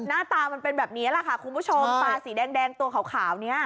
หน้าตามันเป็นแบบนี้แหละค่ะคุณผู้ชมปลาสีแดงตัวขาวเนี่ย